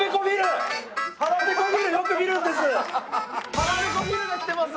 『腹ぺこフィル』が来てます！